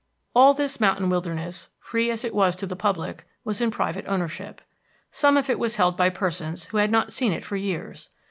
All this mountain wilderness, free as it was to the public, was in private ownership. Some of it was held by persons who had not seen it for years.